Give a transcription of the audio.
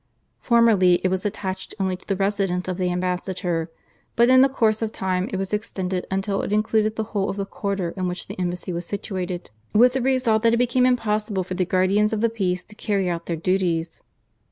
Formerly it was attached only to the residence of the ambassador, but in the course of time it was extended until it included the whole of the quarter in which the embassy was situated, with the result that it became impossible for the guardians of the peace to carry out their duties.